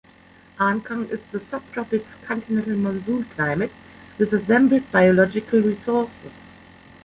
Ankang is the subtropics continental monsoon climate with assembled biological resources.